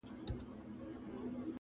• زما یوه خواخوږي دوست -